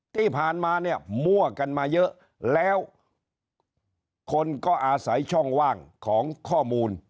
ที่ผ่านมาเนี่ยมั่วกันมาเยอะแล้วคนก็อาศัยช่องว่างของข้อมูล